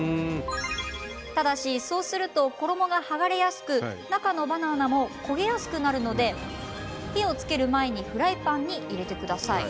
ただし、そうすると衣が剥がれやすく中のバナナも焦げやすくなるので火をつける前にフライパンに入れてください。